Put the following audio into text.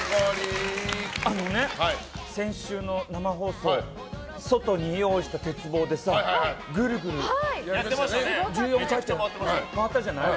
あのね、先週の生放送外に用意した鉄棒でさぐるぐる回ったじゃない。